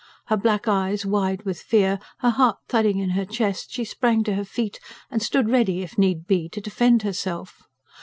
Her black eyes wide with fear, her heart thudding in her chest, she sprang to her feet and stood ready, if need be, to defend herself.